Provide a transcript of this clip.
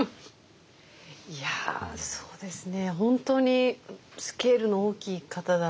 いやそうですね